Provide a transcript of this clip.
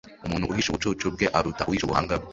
umuntu uhisha ubucucu bwe aruta uhisha ubuhanga bwe